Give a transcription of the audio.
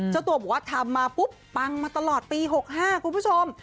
เจ้าตัวบอกว่าทำมาปุ๊บปังมาตลอดปี๖๕คุณผู้ชม